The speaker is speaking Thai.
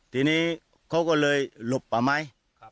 ทีนี้เขาก็เลยหลบป่าไม้